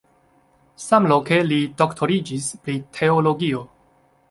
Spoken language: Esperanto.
Samloke li doktoriĝis pri teologio.